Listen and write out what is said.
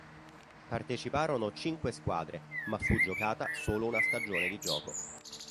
Parteciparono cinque squadre ma fu giocata solo una stagione di gioco.